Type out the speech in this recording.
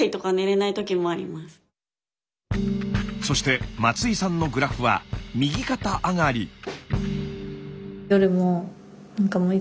そして松井さんのグラフは右肩上がり。